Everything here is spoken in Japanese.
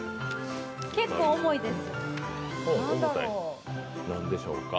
結構重いです。